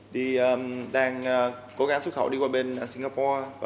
đang cố gắng xuất khẩu đi qua bên singapore